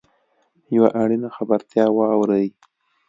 یوه اړینه خبرتیا واورﺉ .